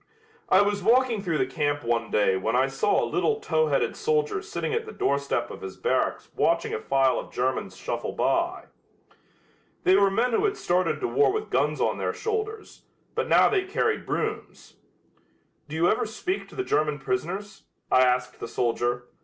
I was walking through the camp one day when I saw a little tow headed soldier sitting at the doorstep of his barracks watching a file of Germans shuffle by. They were men who had started to war with guns on their shoulders, but now they carried brooms. "Do you ever speak to the German prisoners?" I asked the soldier.